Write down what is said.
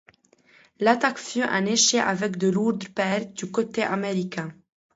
L'attaque fut un échec avec de lourdes pertes du côté américain.